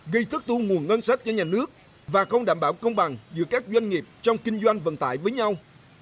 gây thất thu nguồn ngân sách cho nhà nước và không đảm bảo công bằng giữa các doanh nghiệp trong kinh doanh vận tải với nhau